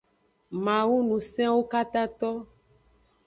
Mawu ngusenwo katato.